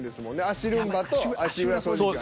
足ルンバと足裏掃除機はね。